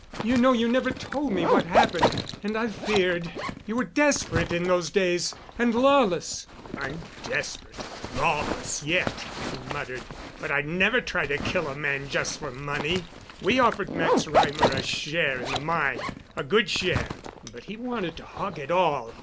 "You know you never told me what happened, and I've feared—you were desperate in those days—and lawless." "I'm desperate and lawless yet," he muttered. "But I'd never try to kill a man just for money. We offered Max Reimer a share in the mine—a good share—but he wanted to hog it all.